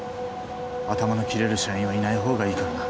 頭の切れる社員はいない方がいいからな